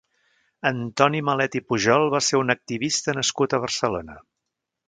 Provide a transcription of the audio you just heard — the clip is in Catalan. Antoni Malet i Pujol va ser un activista nascut a Barcelona.